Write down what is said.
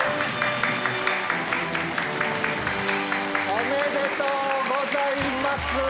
おめでとうございます！